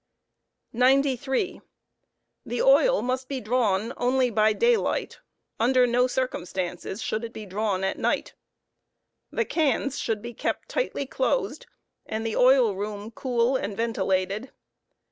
93. The oil must bo drawn only by daylight. Under no circumstances should it drawn at night. The cans should be kept tightly closed and the oil mom cool and ventilated.